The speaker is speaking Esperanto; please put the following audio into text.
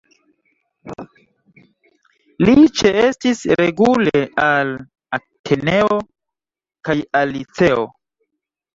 Li ĉeestis regule al Ateneo kaj al Liceo.